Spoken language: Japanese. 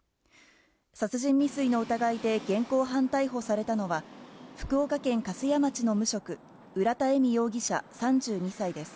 殺人未遂の疑いで現行犯逮捕されたのは、福岡県粕屋町の無職、浦田恵美容疑者３２歳です。